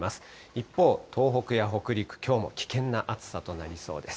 一方、東北や北陸、きょうも危険な暑さとなりそうです。